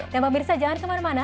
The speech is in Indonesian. dan pak mirsa jangan kemana mana